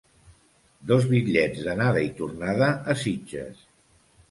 Dos bitllets d'anada i tornada a Sitges.